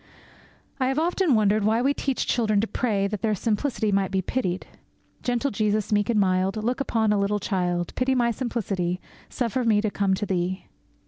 I have often wondered why we teach children to pray that their simplicity may be pitied. Gentle Jesus, meek and mild, Look upon a little child! Pity my simplicity! Suffer me to come to Thee!